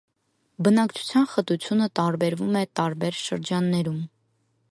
Բնակչության խտությունը տարբերվում է տարբեր շրջաններում։